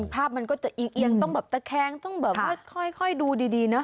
ภาพมันก็จะเอียงต้องแบบตะแคงต้องแบบว่าค่อยดูดีนะ